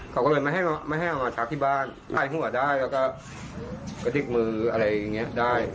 เขาก็เลยไม่ให้มาไม่ให้มาถักที่บ้านใต้หัวได้แล้วก็ก็ติ๊กมืออะไรอย่างเงี้ยได้